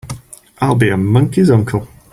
I'll be a monkey's uncle!